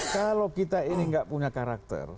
kalau kita ini nggak punya karakter